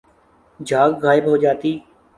جھاگ غائب ہو جاتی